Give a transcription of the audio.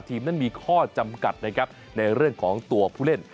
ทีมนั้นมีข้อจำกัดนะครับในเรื่องของตัวผู้เล่น